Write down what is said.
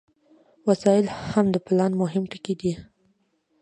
وسایل هم د پلان مهم ټکي دي.